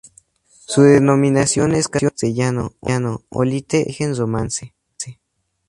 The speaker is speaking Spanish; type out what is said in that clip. Su denominación en castellano, Olite es de origen romance.